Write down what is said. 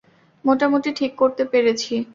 মোটামুটি ঠিক করতে পেরেছি।